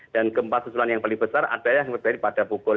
dan gempa susulan yang paling besar ada yang terjadi pada pukul enam